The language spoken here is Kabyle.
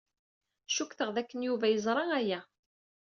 Cukkteɣ dakken Yuba yeẓra aya.